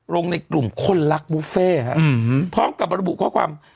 ลงในกลุ่มคนรักบุฟเฟ่พร้อมกับระบุข้อความ